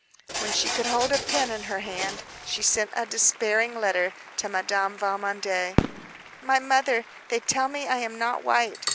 When she could hold a pen in her hand, she sent a despairing letter to Madame Valmondé. "My mother, they tell me I am not white.